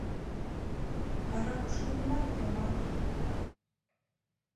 Вара кушкедынак йомат...